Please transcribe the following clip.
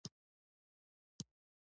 په دغه غوټو کې سپین کرویات موجود دي.